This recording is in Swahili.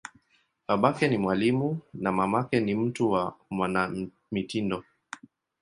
Babake ni mwalimu, na mamake ni mtu wa mwanamitindo.